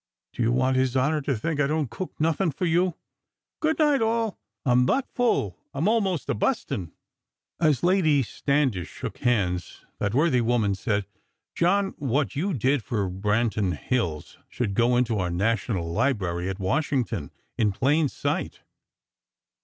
Do you want His Honor to think I don't cook nuthin' for you? Goodnight, all! I'm thot full I'm almost a bustin'!" As Lady Standish shook hands, that worthy woman said: "John, what you did for Branton Hills should go into our National Library at Washington, in plain sight."